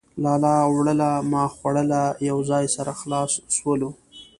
لالا وړوله ما خوړله ،. يو ځاى سره خلاص سولو.